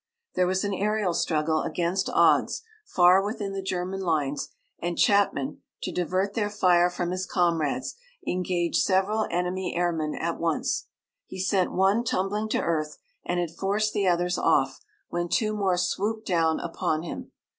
There was an aërial struggle against odds, far within the German lines, and Chapman, to divert their fire from his comrades, engaged several enemy airmen at once. He sent one tumbling to earth, and had forced the others off when two more swooped down upon him.